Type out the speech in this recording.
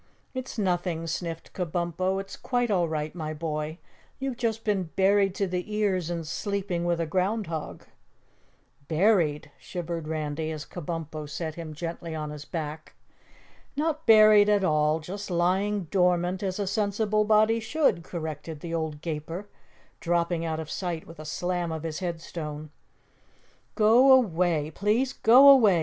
"It's nothing," sniffed Kabumpo. "It's quite all right, my boy. You've just been buried to the ears and sleeping with a ground hog." "Buried?" shivered Randy, as Kabumpo set him gently on his back. "Not buried at all, just lying dormant as a sensible body should," corrected the old Gaper, dropping out of sight with a slam of his headstone. "Go away! Please go away!"